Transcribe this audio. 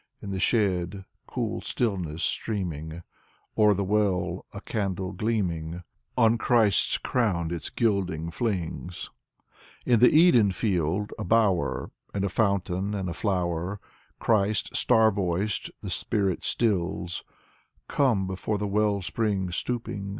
In the shed, cool stillness streaming. O'er the well, a candle gleaming On Christ's crown its gilding flings. In the Eden field — a bower. And a fountain, and a flower. Christ, star voiced, the spirit stills: " Come, before the well spring stooping.